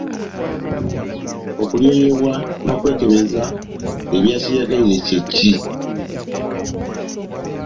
Okulyoyebwa n’okwekebeza ebya kyeyagalire kye ki?